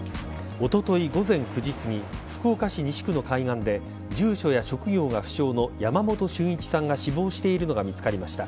おととい午前９時すぎ福岡市西区の海岸で住所や職業が不詳の山本駿一さんが死亡しているのが見つかりました。